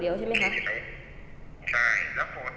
เดี๋ยวจะติดต่อคันไปทีนึงนะครับ